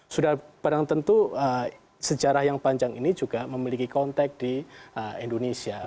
sudah barang tentu sejarah yang panjang ini juga memiliki konteks di indonesia